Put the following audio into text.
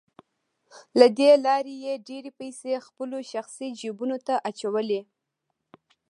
له دې لارې یې ډېرې پیسې خپلو شخصي جیبونو ته اچولې